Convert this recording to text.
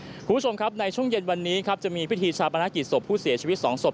คุณผู้ชมครับในช่วงเย็นวันนี้ครับจะมีพิธีชาปนกิจศพผู้เสียชีวิตสองศพ